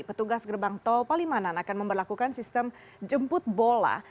petugas gerbang tol palimanan akan memperlakukan sistem jemput bola